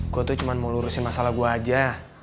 gua tuh cuman mau lurusin masalah gua aja